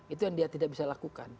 itu yang dia tidak bisa lakukan